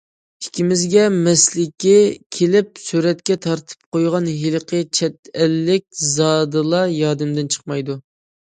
ئىككىمىزگە مەستلىكى كېلىپ سۈرەتكە تارتىپ قويغان ھېلىقى چەت ئەللىك زادىلا يادىمدىن چىقمايدۇ.